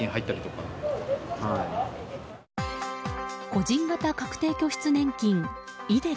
個人型確定拠出年金